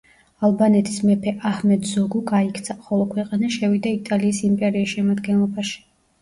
ალბანეთის მეფე აჰმედ ზოგუ გაიქცა, ხოლო ქვეყანა შევიდა იტალიის იმპერიის შემადგენლობაში.